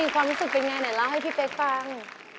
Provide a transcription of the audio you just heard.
ความรู้สึกเป็นอย่างไรหน่อยล่ะให้พี่เป๊กฟัง